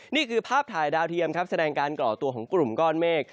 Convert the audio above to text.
นี่คือภาพถ่ายดาวเทียมครับแสดงการก่อตัวของกลุ่มก้อนเมฆ